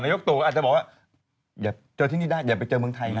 ยกตู่อาจจะบอกว่าอย่าเจอที่นี่ได้อย่าไปเจอเมืองไทยนะ